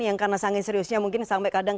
yang karena sangi seriusnya mungkin sampai kadang